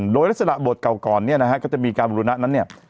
โดยรัฐสนับโบสถ์เก่าก่อนก็จะมีการบุรณะนั้น